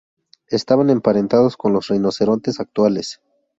Estaban emparentados con los rinocerontes actuales.